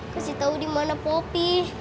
kasih tau dimana popi